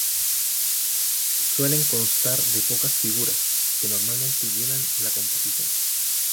Suelen constar de pocas figuras, que normalmente llenan la composición.